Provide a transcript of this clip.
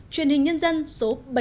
truyền hình nhân dân số bảy mươi một